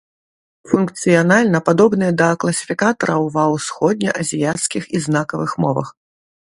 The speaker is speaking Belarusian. Функцыянальна падобныя да класіфікатараў ва ўсходне-азіяцкіх і знакавых мовах.